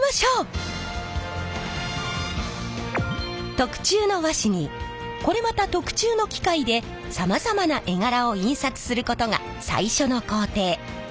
特注の和紙にこれまた特注の機械でさまざまな絵柄を印刷することが最初の工程。